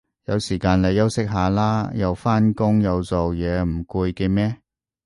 有時間你休息下啦，又返工又做嘢唔攰嘅咩